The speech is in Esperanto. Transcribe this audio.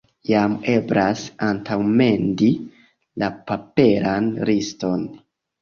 Jam eblas antaŭmendi la paperan liston.